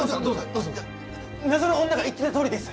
どうぞ謎の女が言ってたとおりです